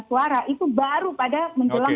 suara itu baru pada menjelang